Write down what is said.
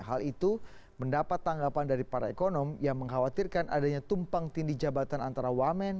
hal itu mendapat tanggapan dari para ekonom yang mengkhawatirkan adanya tumpang tindih jabatan antara wamen